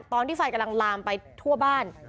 ตอนที่ไฟกำลังลามไปทั่วบ้าน